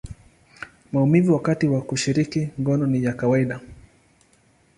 maumivu wakati wa kushiriki ngono ni ya kawaida.